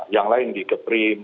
yang lain di keprim